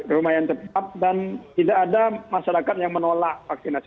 lumayan cepat dan tidak ada masyarakat yang menolak vaksinasi